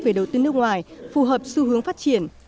về đầu tư nước ngoài phù hợp xu hướng phát triển